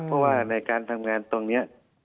เพราะว่าในการทำงานตรงนี้